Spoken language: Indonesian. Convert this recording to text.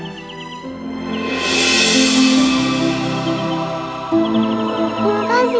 terima kasih nyai